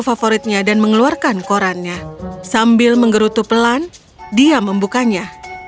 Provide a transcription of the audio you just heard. dia mencari bangkuk favoritnya dan mengeluarkan korannya sambil mengerutu pelan dia membukanya